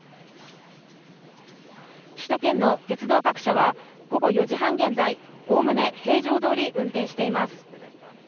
首都圏の鉄道各社は、午後４時半現在、おおむね平常どおり運転しています。